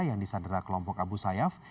yang disadera kelompok abu sayyaf